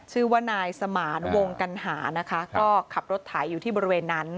ชื่อว่านายสมานวงกัณหานะคะก็ขับรถไถอยู่ที่บริเวณนั้น